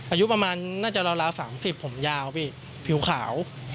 อายุประมาณน่าจะราว๓๐ผมยาวพี่ผิวขาว